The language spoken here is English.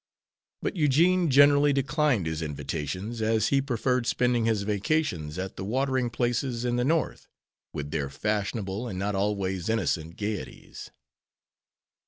But Eugene generally declined his invitations, as he preferred spending his vacations at the watering places in the North, with their fashionable and not always innocent gayeties.